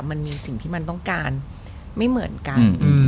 มันมีสิ่งที่มันต้องการไม่เหมือนกัน